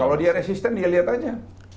kalau dia resisten dia lihat aja